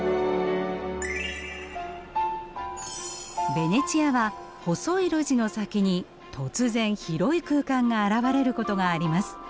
ベネチアは細い路地の先に突然広い空間が現れることがあります。